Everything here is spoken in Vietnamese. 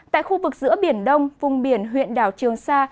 tại khu vực giữa biển đông vùng biển huyện đảo trường sa